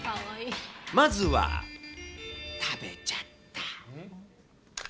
まずは、食べちゃった。